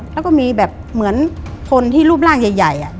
แล้วก็มีแบบเหมือนคนที่รูปร่างใหญ่